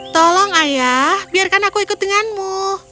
tolong ayah biarkan aku ikut denganmu